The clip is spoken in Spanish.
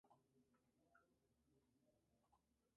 La alimentación incluye frutas, nueces y semillas.